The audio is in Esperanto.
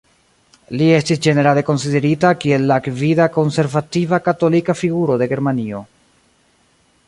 Li estis ĝenerale konsiderita kiel la gvida konservativa katolika figuro de Germanio.